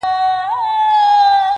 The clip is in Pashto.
پر اغزنه زخمي لاره چي رانه سې -